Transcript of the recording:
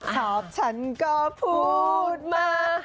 ชอบฉันก็พูดมา